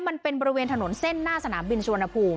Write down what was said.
มันเป็นบริเวณถนนเส้นหน้าสนามหินแรง